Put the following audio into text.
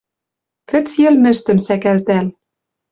Вӹц йӹлмӹштӹм сӓкӓлтӓл